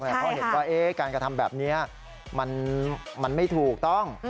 เพราะเห็นว่าการกระทำแบบนี้มันไม่ถูกต้อง